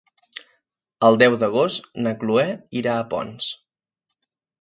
El deu d'agost na Cloè irà a Ponts.